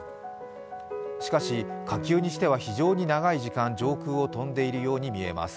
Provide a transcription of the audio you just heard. しかし、火球にしては非常に長い時間上空を飛んでいるように見えます。